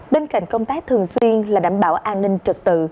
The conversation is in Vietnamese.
bên cạnh công tác thường xuyên là đảm bảo an ninh trực tự